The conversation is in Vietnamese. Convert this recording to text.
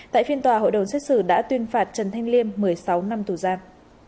tại phiên tòa hội đồng xét xử đã tuyên phạt trần thanh liêm một mươi sáu năm tù giam